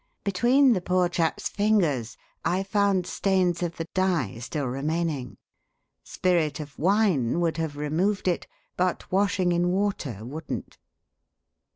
Between the poor chap's fingers I found stains of the dye still remaining. Spirit of Wine would have removed it, but washing in water wouldn't.